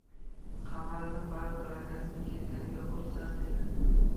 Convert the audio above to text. Qamariddin baribir akasining kelganiga xursand edi